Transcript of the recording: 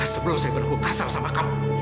sebelum saya berhubung kasar sama kamu